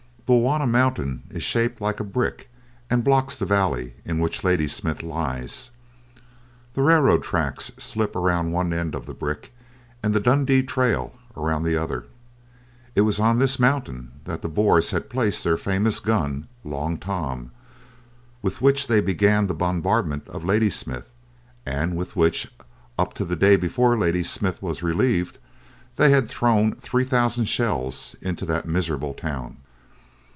Bulwana Mountain is shaped like a brick and blocks the valley in which Ladysmith lies. The railroad track slips around one end of the brick, and the Dundee trail around the other. It was on this mountain that the Boers had placed their famous gun, Long Tom, with which they began the bombardment of Ladysmith, and with which up to the day before Ladysmith was relieved they had thrown three thousand shells into that miserable town.